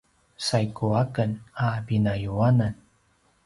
saigu aken a pinayuanan